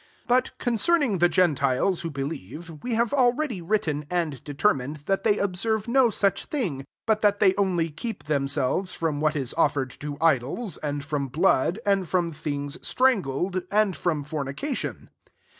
25 But con cerning the gentiles who be lieve, we have already written and determined, [that they ob serve no such thing; but^ that they only keep themselves from what is offered to idols, and from blood, [and from things strangled,] and from fornica tion."